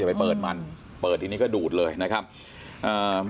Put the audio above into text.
ไปเปิดมันเปิดทีนี้ก็ดูดเลยนะครับอ่า